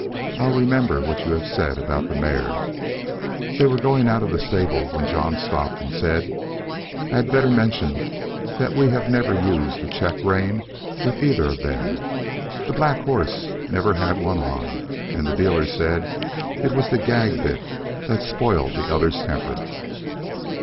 I'll remember what you have said about the mare." They were going out of the stable, when John stopped, and said, "I had better mention that we have never used the check rein with either of them; the black horse never had one on, and the dealer said it was the gag bit that spoiled the other's temper."